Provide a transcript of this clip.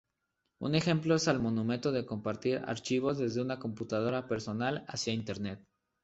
Un ejemplo es al momento de compartir archivos desde una computadora personal hacia Internet.